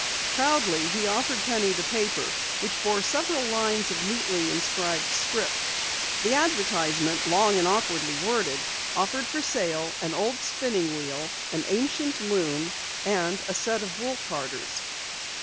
Proudly he offered Penny the paper which bore several lines of neatly inscribed script. The advertisement, long and awkwardly worded, offered for sale an old spinning wheel, an ancient loom and a set of wool carders.